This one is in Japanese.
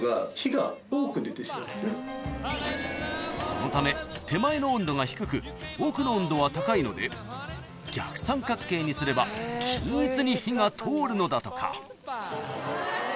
［そのため手前の温度が低く奥の温度は高いので逆三角形にすれば均一に火が通るのだとか］